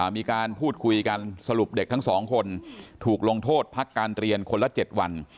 มีการพูดคุยกันสรุปเด็กทั้งสองคนถูกลงโทษพักการเรียนคนละ๗วัน